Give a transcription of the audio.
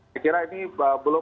saya kira ini belum